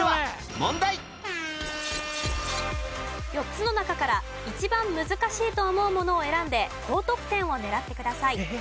４つの中から一番難しいと思うものを選んで高得点を狙ってください。